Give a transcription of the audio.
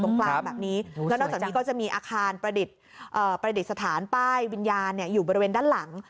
กลางแบบนี้แล้วนอกจากนี้ก็จะมีอาคารประดิษฐานป้ายวิญญาณอยู่บริเวณด้านหลัง